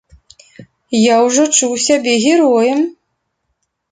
Я ўжо чуў сябе героем!